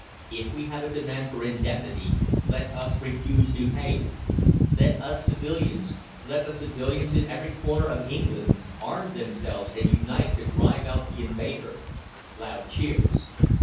If we have a demand for indemnity let us refuse to pay it. Let us civilians let the civilians in every corner of England arm themselves and unite to drive out the invader! (Loud cheers.)